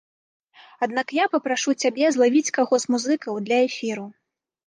Аднак я папрашу цябе злавіць каго з музыкаў для эфіру.